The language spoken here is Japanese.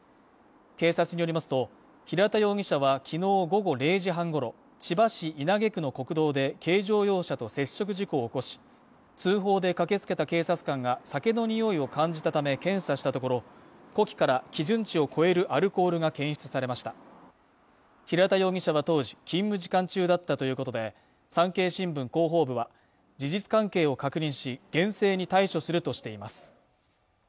警察によりますと平田容疑者はきのう午後０時半ごろ千葉市稲毛区の国道で軽乗用車と接触事故を起こし通報で駆けつけた警察官が酒のにおいを感じたため検査したところ呼気から基準値を超えるアルコールが検出されました平田容疑者は当時勤務時間中だったということで「産経新聞」広報部は事実関係を確認し厳正に対処するとしています